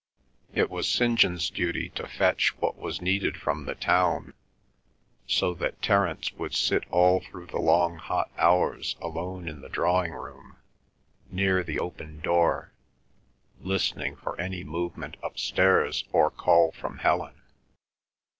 It was St. John's duty to fetch what was needed from the town, so that Terence would sit all through the long hot hours alone in the drawing room, near the open door, listening for any movement upstairs, or call from Helen.